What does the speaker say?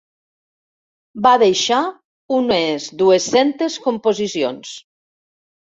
Va deixar unes dues-centes composicions.